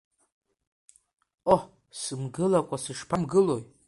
Ҟоҳ, сымгылакәа, сышԥамгылои!